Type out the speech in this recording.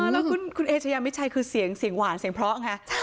แล้วคุณเอ๊จะยังไม่ใช่คือเสียงหวานเสียงเพราะไง